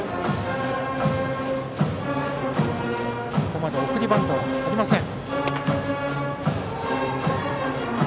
ここまで送りバントはありません。